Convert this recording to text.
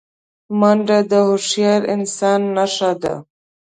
منډه د هوښیار انسان نښه ده